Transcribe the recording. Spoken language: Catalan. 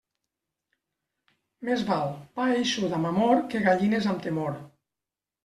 Més val pa eixut amb amor que gallines amb temor.